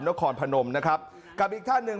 นครพนมนะครับกับอีกท่านหนึ่ง